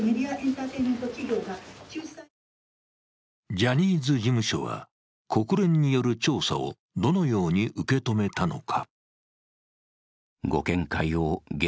ジャニーズ事務所は、国連による調査をどのように受け止めたのか。